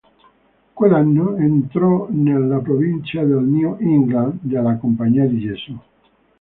Quell'anno entrò nella provincia del New England della Compagnia di Gesù.